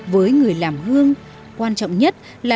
với người làm hương quan trọng nhất là